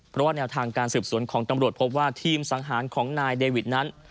เพราะว่าแนวทางการสืบสวนของตำรวจพบว่าทีมสังหารของนายเดวิดนั้น